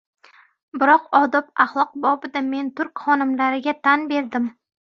Biroq odob-axloq bobida men turk xonimlariga tan berdim.